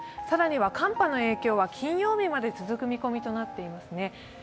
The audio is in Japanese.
更には寒波の影響は金曜日まで続く見込みとなっていますね。